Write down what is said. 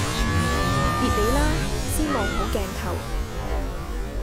別理啦！先望好鏡頭